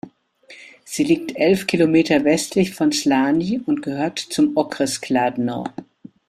Sie liegt elf Kilometer westlich von Slaný und gehört zum Okres Kladno.